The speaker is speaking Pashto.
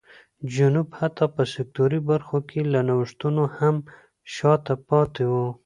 جنوب حتی په سکتوري برخو کې له نوښتونو هم شا ته پاتې و.